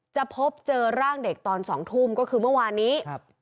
จะพบเจอร่างเด็กตอน๒ทุ่มก็คือเมื่อวานนี้